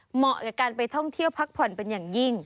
เหมาะกับการไปท่องเที่ยวพักผ่อนเป็นอย่างยิ่ง